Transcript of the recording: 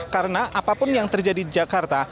karena apapun yang terjadi di jakarta